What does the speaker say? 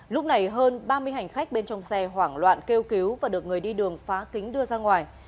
lúc này hơn ba mươi hành khách bên trong xe hoảng loạn kêu cứu và được người đi đường phá kính đưa ra ngoài